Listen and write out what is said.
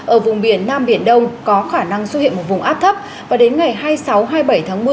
ở vùng biển nam biển đông có khả năng xuất hiện một vùng áp thấp và đến ngày hai mươi sáu hai mươi bảy tháng một mươi